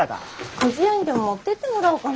くず屋にでも持ってってもらおうかな。